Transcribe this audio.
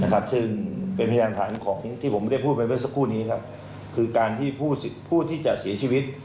คือการที่ผู้ที่จะเสียชีวิต